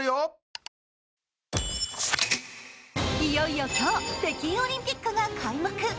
いよいよ今日、北京オリンピックが開幕。